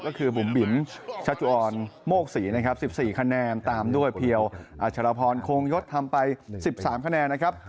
ก็คือบุ๋มบิ๋นชะจวอนโมกศรีนะครับสิบสี่คะแนนตามด้วยเพียวอาชารพรคงยดทำไปสิบสามคะแนนนะครับ